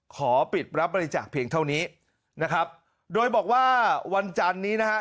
ขอปิดรับบริจาคเพียงเท่านี้นะครับโดยบอกว่าวันจันนี้นะฮะ